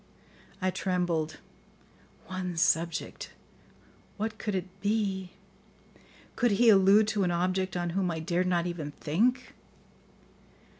I trembled. One subject! What could it be? Could he allude to an object on whom I dared not even think?